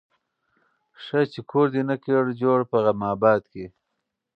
ښه چي کور دي نه کړ جوړ په غم آباد کي